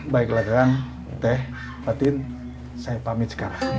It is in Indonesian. baiklah teh fatin saya pamit sekarang